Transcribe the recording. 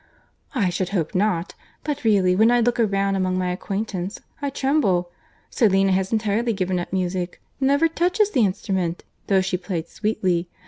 "I should hope not; but really when I look around among my acquaintance, I tremble. Selina has entirely given up music—never touches the instrument—though she played sweetly.